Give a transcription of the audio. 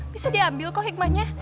bisa diambil kok hikmahnya